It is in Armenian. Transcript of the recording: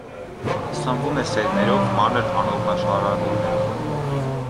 Սնվում է սերմերով, մանր անողնաշարավորներով։